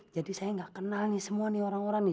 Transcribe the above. jadi saya nggak kenal nih semua nih orang orang nih